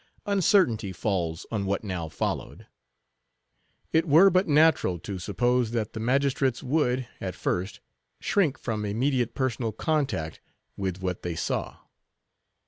Uncertainty falls on what now followed. It were but natural to suppose that the magistrates would, at first, shrink from immediate personal contact with what they saw.